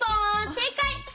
せいかい！